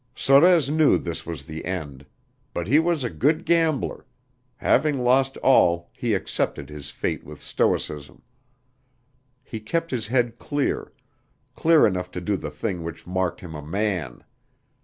Sorez knew this was the end. But he was a good gambler; having lost all, he accepted his fate with stoicism. He kept his head clear clear enough to do the thing which marked him a man.